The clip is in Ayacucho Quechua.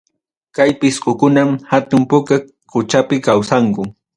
Kay pisqukunam hatun puka quchapim kawsanku.